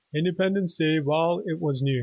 INDEPENDENCE DAY WHILE IT WAS NEW.